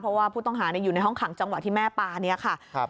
เพราะว่าผู้ต้องหาอยู่ในห้องขังจังหวะที่แม่ปลานี้ค่ะ